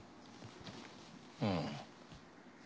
うん。